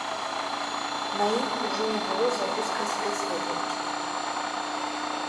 На ім ужо не было заводскай спецвопраткі.